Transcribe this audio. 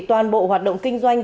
toàn bộ hoạt động kinh doanh